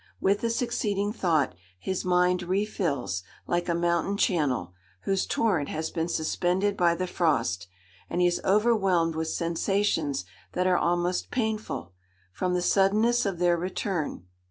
With the succeeding thought, his mind refills, like a mountain channel, whose torrent has been suspended by the frost, and he is overwhelmed with sensations that are almost painful, from the suddenness of their return.